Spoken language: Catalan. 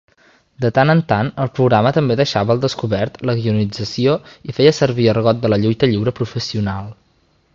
De tant en tant, el programa també deixava al descobert la guionització i feia servir argot de la lluita lliure professional.